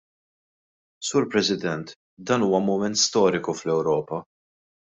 Sur President, dan huwa mument storiku fl-Ewropa.